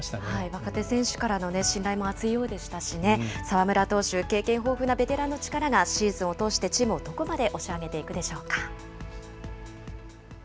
若手選手からの信頼もあついようでしたしね、澤村投手、経験豊富なベテランの力が、シーズンを通してチームをどこまで押し上げていくでしょうか。